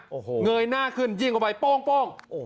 โอ้โหเงยหน้าขึ้นยิงไว้ป้องป้อง